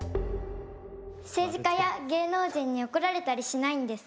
政治家や芸能人に怒られたりしないんですか？